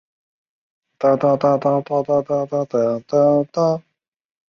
同时亦得知降头师蓝丝是陈月兰妹妹陈月梅和何先达之女。